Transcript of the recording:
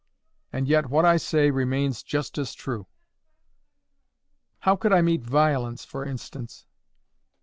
And yet what I say remains just as true." "How could I meet VIOLENCE, for instance?"